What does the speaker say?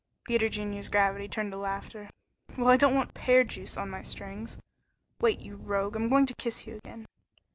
Peter Junior's gravity turned to laughter. "Well, I don't want pear juice on my strings. Wait, you rogue, I'm going to kiss you again."